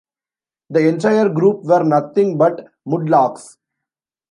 The entire group were nothing but mudlarks!